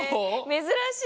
めずらしい！